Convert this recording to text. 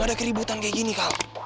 gak ada keributan kayak gini kal